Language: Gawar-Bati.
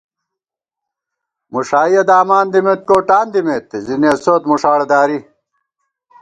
مُݭائیَہ دامان دِمېت، کوٹان دِمېت زی نېسوت مݭاڑہ داری